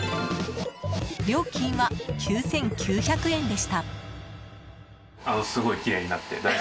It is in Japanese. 料金は９９００円でした。